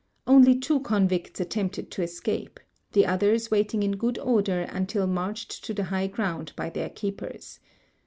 Onlv two convicts attempted to escape, the others waiting in good order until marched to the high ground b}"^ their keepers.